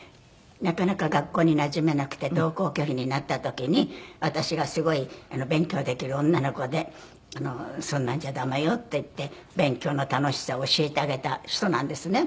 なかなか学校になじめなくて登校拒否になった時に私がすごい勉強できる女の子で「そんなんじゃ駄目よ」って言って勉強の楽しさを教えてあげた人なんですね。